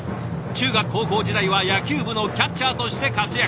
中学高校時代は野球部のキャッチャーとして活躍。